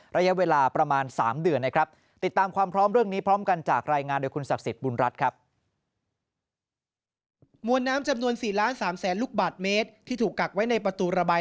ระยะเวลาประมาณ๓เดือนนะครับ